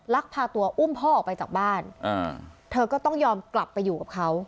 พาตัวอุ้มพ่อออกไปจากบ้านเธอก็ต้องยอมกลับไปอยู่กับเขา